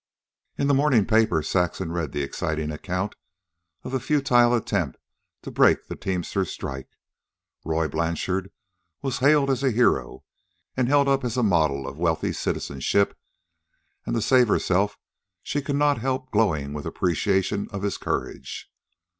In the morning paper Saxon read the exciting account of the futile attempt to break the teamsters' strike. Roy Blanchard was hailed a hero and held up as a model of wealthy citizenship. And to save herself she could not help glowing with appreciation of his courage.